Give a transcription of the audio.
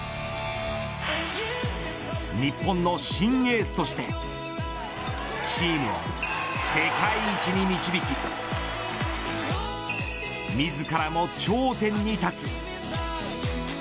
日本の新エースとしてチームを世界一に導き、自らも頂点に立つ。